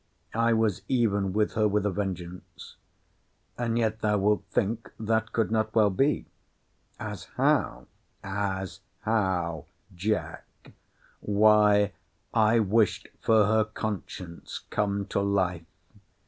I was even with her with a vengeance. And yet thou wilt think that could not well be.—As how?—As how, Jack!—Why, I wished for her conscience come to life!